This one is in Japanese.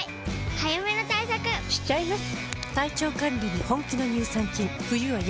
早めの対策しちゃいます。